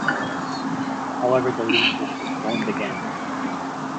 However the league was postponed again.